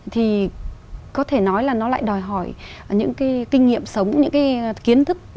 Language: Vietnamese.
thì có thể nói là nó lại đòi hỏi những cái kinh nghiệm sống những cái kiến thức